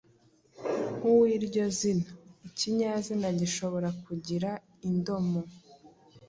nk’uw’iryo zina. Ikinyazina gishobora kugira indomo,